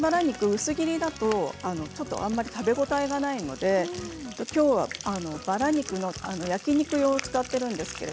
薄切りだと食べ応えがないのできょうはバラ肉の焼き肉用を使っています。